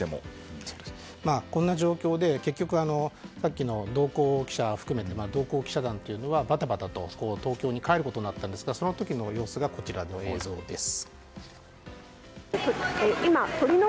この状況で結局さっきの同行記者を含めて同行記者団はバタバタと東京に帰ることになったんですがその時の様子がこちらの映像です。